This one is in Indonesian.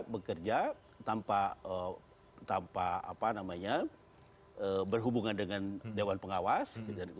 bekerja tanpa berhubungan dengan dewan pengawas